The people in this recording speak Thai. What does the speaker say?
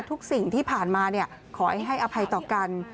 สิ่งที่ผ่านมาขอให้อภัยต่อกัน